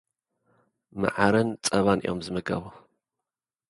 መዓርን ጸባን እዮም ዝምገቡ።